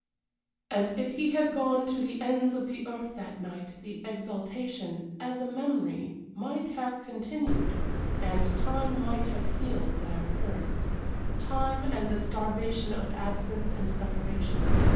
And if he had gone to the ends of the earth that night the exaltation, as a memory, might have continued, and time might have healed their hurts time and the starvation of absence and separation.